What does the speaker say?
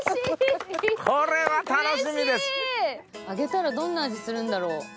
揚げたらどんな味するんだろう？